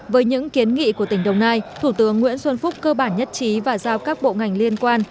với những kiến nghị của tỉnh đồng nai thủ tướng nguyễn xuân phúc cơ bản nhất trí và giao các bộ ngành liên quan